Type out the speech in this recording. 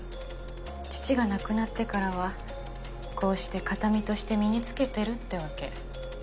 父が亡くなってからはこうして形見として身に着けてるってわけ。